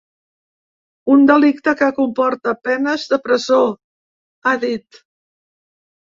Un delicte que comporta penes de presó, ha dit.